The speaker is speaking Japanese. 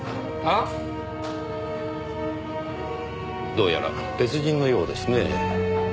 どうやら別人のようですねぇ。